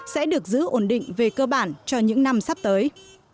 sẽ được giữ ổn định về cơ bản cho những năm sắp tới